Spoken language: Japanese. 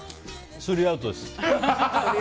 スリーアウトです。